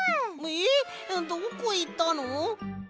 えっどこいったの！？